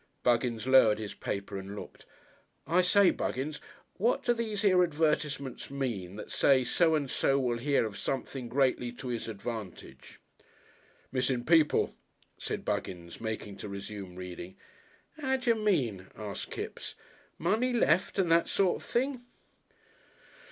Buggins lowered his paper and looked. "I say, Buggins, what do these here advertisements mean that say so and so will hear of something greatly to his advantage?" "Missin' people," said Buggins, making to resume reading. "How d'yer mean?" asked Kipps. "Money left and that sort of thing?"